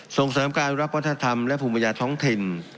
ส่งเสริมการอนุรักษ์วัฒนธรรมและภูมิปัญญาท้องถิ่น